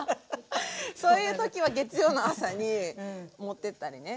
そういう時は月曜の朝に持ってったりね。